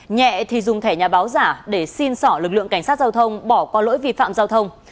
nhẹ thì dùng thẻ nhà báo giả để xin sỏ lực lượng cảnh sát giao thông bỏ qua lỗi vi phạm giao thông